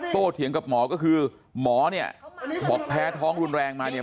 เถียงกับหมอก็คือหมอเนี่ยบอกแพ้ท้องรุนแรงมาเนี่ย